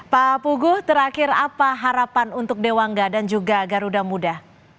pak pugu terakhir apa harapan untuk dewangga dan juga garuda muda